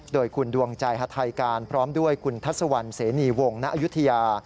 โดยคุณดวงใจฮาไทยการพร้อมด้วยคุณทัศวรรณเสนีวงณอายุทยา